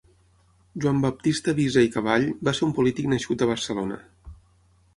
Joan Baptista Viza i Caball va ser un polític nascut a Barcelona.